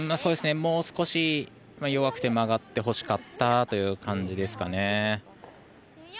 もう少し弱くて曲がってほしかったという感じですかね。